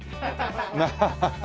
ハハハハ！